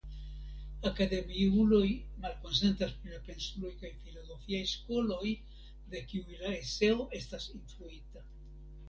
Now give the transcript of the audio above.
Akademiuloj malkonsentas pri la pensuloj kaj filozofiaj skoloj de kiuj la eseo estas influita.